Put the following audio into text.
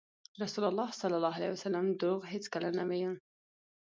رسول الله ﷺ دروغ هېڅکله نه ویل.